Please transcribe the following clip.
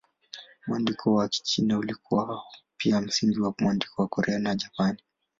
Mwandiko wa Kichina ulikuwa pia msingi wa mwandiko wa Korea na Japani.